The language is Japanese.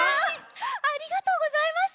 ありがとうございます！